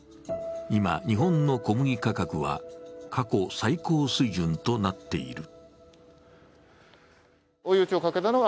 今、日本の小麦価格は過去最高水準となっている。